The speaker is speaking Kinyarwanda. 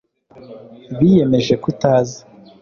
biyemeje kutaza